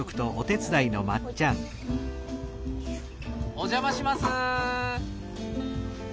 お邪魔します。